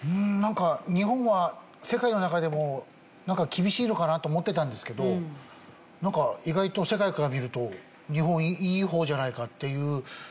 なんか日本は世界の中でも厳しいのかなって思ってたんですけどなんか意外と世界から見ると日本いい方じゃないかっていう。